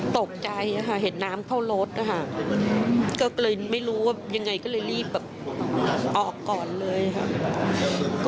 ตื่นตั้งแต่ตอนกระแทกเลยค่ะ